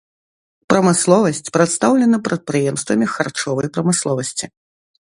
Прамысловасць прадстаўлена прадпрыемствамі харчовай прамысловасці.